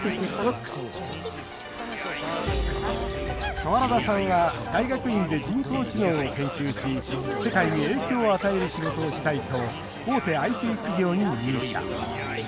川原田さんは大学院で人工知能を研究し世界に影響を与える仕事をしたいと大手ＩＴ企業に入社。